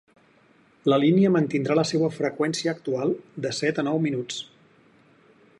La línia mantindrà la seua freqüència actual de set a nou minuts.